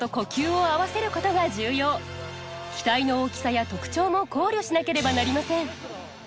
機体の大きさや特徴も考慮しなければなりません。